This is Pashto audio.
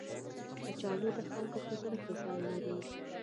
کچالو د خلکو په زړه کې ځای لري